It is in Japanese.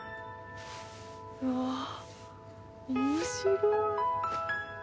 うわ面白い。